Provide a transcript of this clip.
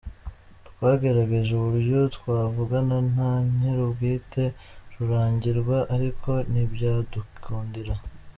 Twagerageje uburyo twavugana na nyirubwite Rurangirwa ariko ntibyadukundira.